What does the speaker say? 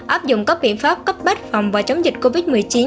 áp dụng các biện pháp cấp bách phòng và chống dịch covid một mươi chín